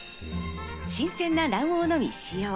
新鮮な卵黄のみ使用。